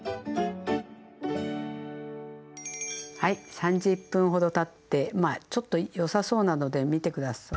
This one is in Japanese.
３０分ほどたってまあちょっとよさそうなので見て下さい。